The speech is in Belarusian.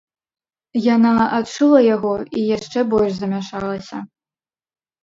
Яна адчула яго і яшчэ больш замяшалася.